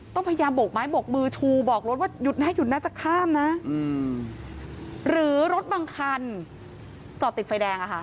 ต้องพยายามโบกไม้บกมือชูบอกรถว่าหยุดนะหยุดน่าจะข้ามนะหรือรถบางคันจอดติดไฟแดงอะค่ะ